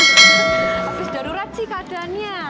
terus darurat sih keadaannya